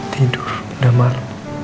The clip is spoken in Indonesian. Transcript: tidur udah malem